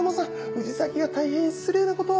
藤崎が大変失礼なことを。